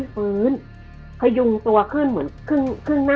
เขาก็ไม่ฟื้น